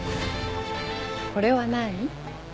これは何？